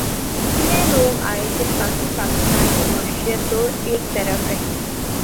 اتنے لوگ آئیں کہ باقی پاکستان کی معیشت تو ایک طرف رہی